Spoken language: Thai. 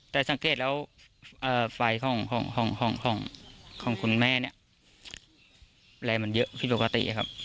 แต่สังเกตแล้วเอ่อไฟของของของของของคุณแม่เนี่ยแรงมันเยอะไม่ปกติครับ